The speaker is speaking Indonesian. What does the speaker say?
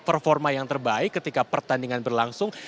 performa yang terbaik ketika pertandingan berlangsung